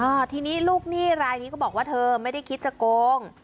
อ่าทีนี้ลูกหนี้รายนี้ก็บอกว่าเธอไม่ได้คิดจะโกง